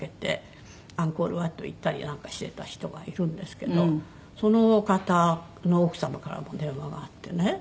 アンコールワット行ったりなんかしてた人がいるんですけどその方の奥様からも電話があってね。